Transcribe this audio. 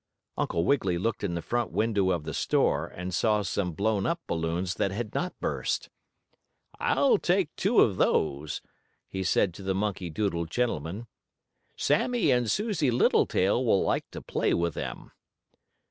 Uncle Wiggily looked in the front window of the store and saw some blown up balloons that had not burst. "I'll take two of those," he said to the monkey doodle gentleman. "Sammie and Susie Littletail will like to play with them."